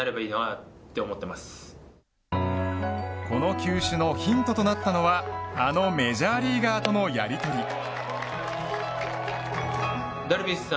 この球種のヒントとなったのはあのメジャーリーガーとのやりとり。